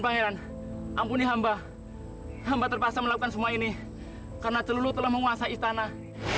pangeran ampuni hamba hamba terpaksa melakukan semua ini karena celulu telah menguasai istana